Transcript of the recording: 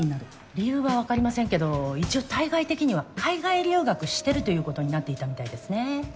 理由はわかりませんけど一応対外的には海外留学してるということになっていたみたいですね。